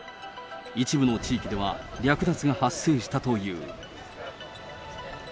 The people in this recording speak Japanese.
一部の地域では、略奪が発生したという。